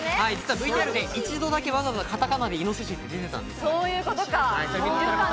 ＶＴＲで一度だけ、わざわざカタカナでイノシシと出ていたんです。